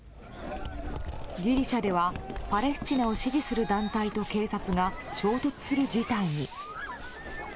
ギリシャではパレスチナを支持する団体と警察が衝突する事態に。